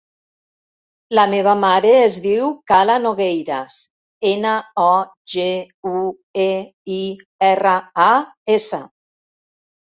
La meva mare es diu Kala Nogueiras: ena, o, ge, u, e, i, erra, a, essa.